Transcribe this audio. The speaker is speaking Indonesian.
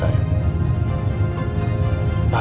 saya serius dengan kata kata saya